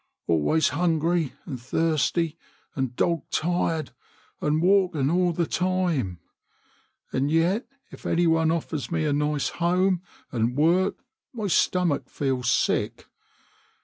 Always hungry and thirsty and dog tired and walking all the time. And yet if any one offers me a nice home and work my stomach feels sick.